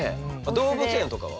動物園とかは？